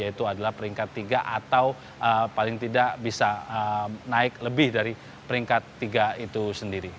yaitu adalah peringkat tiga atau paling tidak bisa naik lebih dari peringkat tiga itu sendiri